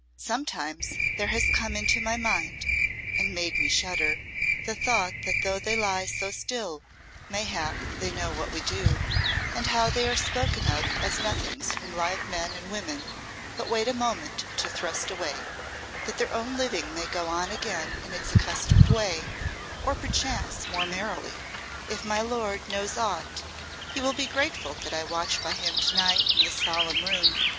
"Sometimes there has come into my mind and made me shudder the thought that, though they lie so still, mayhap they know what we do and how they are spoken of as nothings whom live men and women but wait a moment to thrust away, that their own living may go on again in its accustomed way, or perchance more merrily. If my lord knows aught, he will be grateful that I watch by him to night in this solemn room.